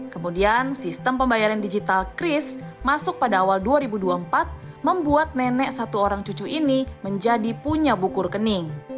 kemudian sistem pembayaran digital kris masuk pada awal dua ribu dua puluh empat membuat nenek satu orang cucu ini menjadi punya buku rekening